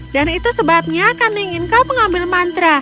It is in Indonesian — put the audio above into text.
dan itu sebabnya kami ingin kau mengambil mantra